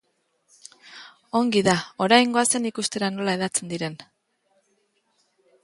Ongi da, orain goazen ikustera nola hedatzen diren.